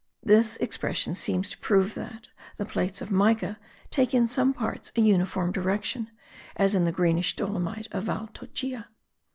This expression seems to prove that the plates of mica take in some parts a uniform direction, as in the greenish dolomite of Val Toccia.